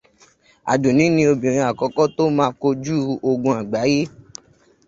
Àdùnní ni obìnrin àkọ́kọ́ tó ma kojú ogun àgbáyé.